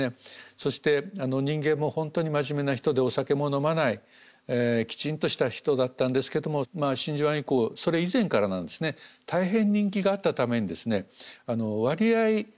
そして人間も本当に真面目な人でお酒も飲まないきちんとした人だったんですけども真珠湾以降それ以前からなんですね大変人気があったために割合